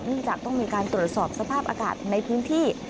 จากต้องมีการตรวจสอบสภาพอากาศในพื้นที่